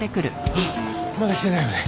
はあまだ来てないよね？